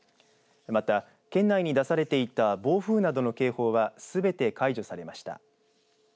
また県内で出されていた暴風などの警報はすべて解除されました。